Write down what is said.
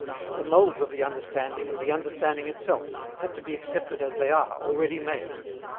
The molds of the understanding and the understanding itself had to be accepted as they are, already made.